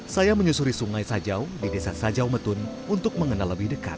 saya menyusuri sungai sajau di desa sajau metun untuk mengenal lebih dekat